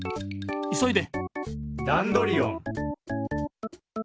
いそいで。